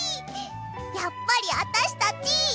やっぱりあたしたち。